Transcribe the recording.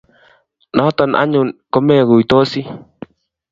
Notok anyun komekuitosie